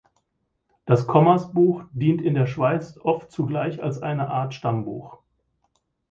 Das Kommersbuch dient in der Schweiz oft zugleich als eine Art Stammbuch.